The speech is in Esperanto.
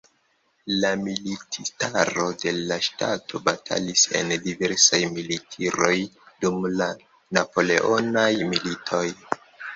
La militistaro de la ŝtato batalis en diversaj militiroj dum la Napoleonaj Militoj.